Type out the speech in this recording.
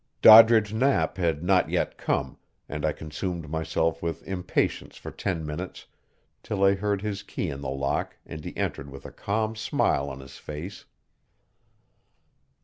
Doddridge Knapp had not yet come, and I consumed myself with impatience for ten minutes till I heard his key in the lock and he entered with a calm smile on his face.